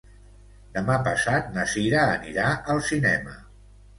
Demà passat na Sira anirà al cinema.